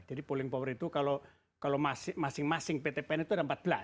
jadi pulling power itu kalau masing masing pt pn itu ada empat belas